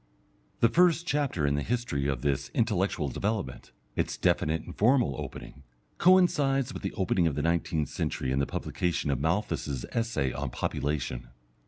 The first chapter in the history of this intellectual development, its definite and formal opening, coincides with the opening of the nineteenth century and the publication of Malthus's Essay on Population.